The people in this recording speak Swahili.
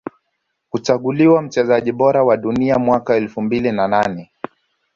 Kuchaguliwa mchezaji bora wa Dunia mwaka elfu mbili na nane